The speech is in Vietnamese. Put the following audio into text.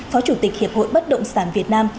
phó chủ tịch hiệp hội bất động sản việt nam